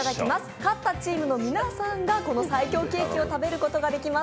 勝ったチームの皆さんがこの最強ケーキを食べることができます。